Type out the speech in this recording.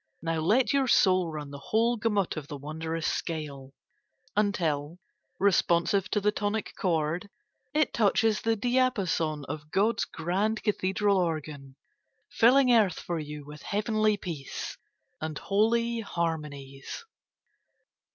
Now let your soul run the whole gamut of the wondrous scale Until, responsive to the tonic chord, It touches the diapason of God's grand cathedral organ, Filling earth for you with heavenly peace And holy harmonies.